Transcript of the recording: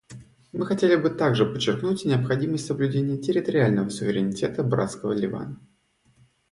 Мы хотели бы также подчеркнуть необходимость соблюдения территориального суверенитета братского Ливана.